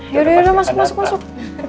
ya udah udah masuk masuk